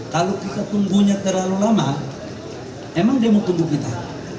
kalau kita tumbuhnya terlalu lama emang dia mau tumbuh kita